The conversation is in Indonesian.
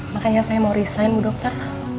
makanya saya mau resign bu dokter